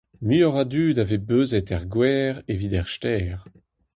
Muioc'h a dud a vez beuzet er gwer evit er stêr.